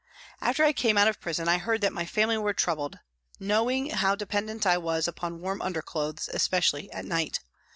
After I came out of prison I heard that my family were troubled, knowing how dependent I was upon warm underclothes, especially at night.